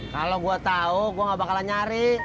kalau gue tahu gue gak bakalan nyari